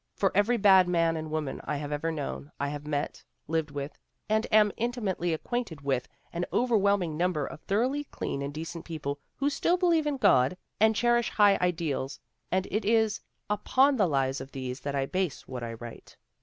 For every bad man and woman I have ever known, I have met, lived with, and am intimately acquainted with an overwhelming number of thoroughly clean and decent people who still believe in God and cherish high ideals, and it is upon the lives of these that I base what I write.